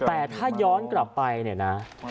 แต่ถ้าย้อนกลับไปเนี่ยนะ